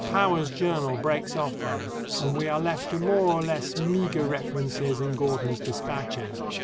Power's journal breaks off then, and we are left to more or less meager references in Gordon's dispatches.